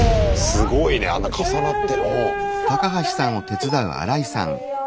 すごいねあんな重なって。